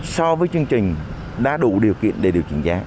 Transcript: so với chương trình đã đủ điều kiện để điều chỉnh giá